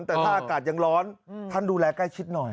แต่ถ้าอากาศยังร้อนท่านดูแลใกล้ชิดหน่อย